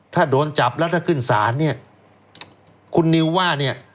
ถ้าโดนจับแล้วถ้าขึ้นศาลเนี่ยคุณนิวว่าเนี่ย